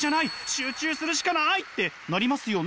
集中するしかない！ってなりますよね？